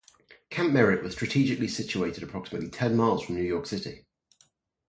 Camp Merritt was strategically situated approximately ten miles from New York City.